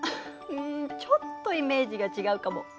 うんちょっとイメージが違うかも。